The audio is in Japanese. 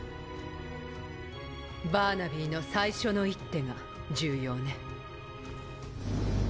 バーナビーの最初の一手が重要ね。